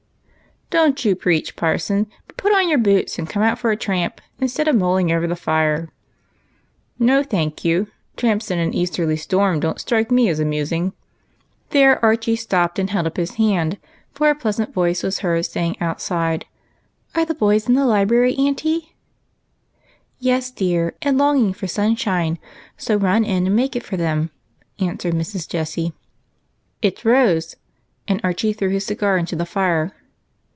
" Don't you preach, parson ; but put on your boots and come out for a tramp, instead of mulling over the fire like a granny." " No, thank you, tramps in an easterly storm don't strike me as amusing." There Archie stopped and held up his hand, for a pleasant voice was heard saying outside, — 192 EIGHT COUSINS. " Are the boys in the libi .^ry, auntie ?"" Yes, dear, and longing for sunshine ; so run in and make it for them," answered Mrs. Jessie. "It's Rose," and Areliie threw liis cigar into tlie fire.